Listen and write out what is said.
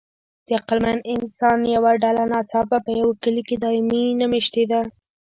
د عقلمن انسان یوه ډله ناڅاپه په یوه کلي کې دایمي نه مېشتېده.